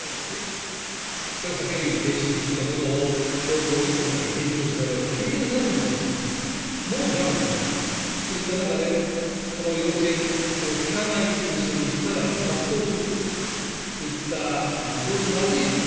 これ、酒類停止といったものを強硬に今回、延長した場合、県民の皆さんもですね、もう我慢ならないといった中で、その要請を聞かないお店に、さらに殺到するといった、非常にまずい事態。